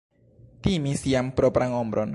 Timi sian propran ombron.